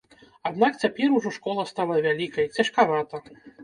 Аднак цяпер ужо школа стала вялікай, цяжкавата.